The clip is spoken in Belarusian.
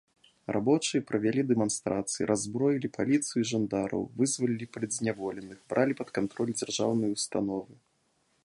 Рабочыя правялі дэманстрацыі, раззброілі паліцыю і жандараў, вызвалілі палітзняволеных, бралі пад кантроль дзяржаўныя ўстановы.